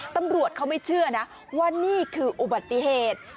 ตำรวจเขาไม่เชื่อนะว่านี่คืออุบัติเหตุ